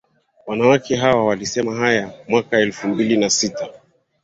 Wanawake hawa walisema hayo mwaka elfu mbili na sita